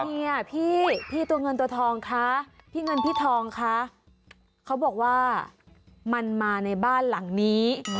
เนี่ยพี่ตัวเงินตัวทองคะพี่เงินพี่ทองคะเขาบอกว่ามันมาในบ้านหลังนี้